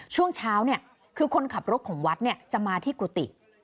ช่วงเช้าคือคนขับรถของวัดจะมาที่กุฏิ